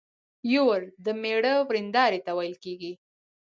يور د مېړه ويرنداري ته ويل کيږي.